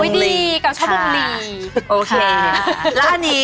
โอ้ยดีกับชาววงรี